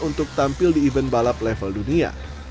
untuk tampil di event balap level dunia